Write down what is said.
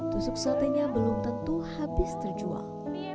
tusuk satenya belum tentu habis terjual